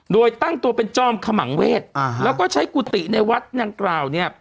โดยตั้งตัวเป็นจอมขมังเวศแล้วก็ใช้กุฏิในวัดดังกล่าวเนี่ย